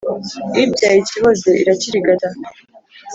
Ibyaye ikiboze iracyirigata.